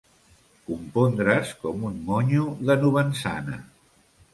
Compondre's com un monyo de novençana.